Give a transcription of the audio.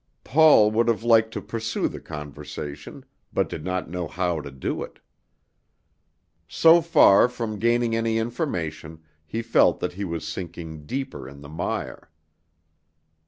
Paul would have liked to pursue the conversation, but did not know how to do it. So far from gaining any information, he felt that he was sinking deeper in the mire.